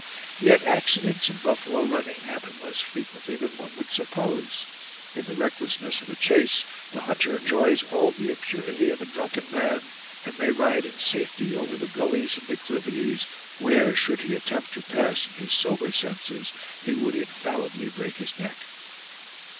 Yet accidents in buffalo running happen less frequently than one would suppose; in the recklessness of the chase, the hunter enjoys all the impunity of a drunken man, and may ride in safety over the gullies and declivities where, should he attempt to pass in his sober senses, he would infallibly break his neck.